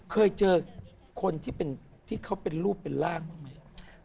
เคยเจอคนที่เขาเป็นรูปเป็นร่างบ้างไหม